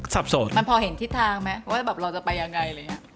สับสนมันพอเห็นทิศทางไหมว่าแบบเราจะไปยังไง